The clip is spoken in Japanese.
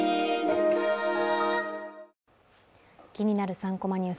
３コマニュース」